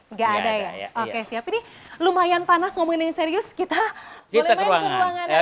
nggak ada ya oke siap ini lumayan panas ngomongin yang serius kita boleh main ke ruangannya